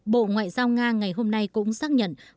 bộ ngoại giao nga ngày hôm nay cũng xác nhận